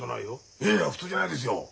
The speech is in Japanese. いやいや普通じゃないですよ。